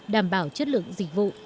đảm bảo chất lượng dịch vụ